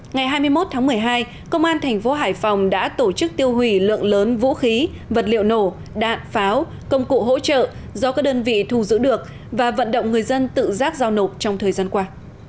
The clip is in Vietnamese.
ngày hai mươi một tháng một mươi hai công an thành phố hải phòng đã tổ chức tiêu hủy lượng lớn vũ khí vật liệu nổ đạn pháo công cụ hỗ trợ do các đơn vị thu giữ được và vận động người dân tự giác giao nộp trong thời gian qua